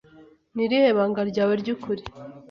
Ni irihe banga ryawe ryukuri?